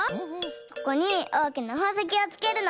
ここにおおきなほうせきをつけるの。